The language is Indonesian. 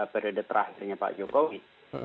periode terakhirnya pak jokowi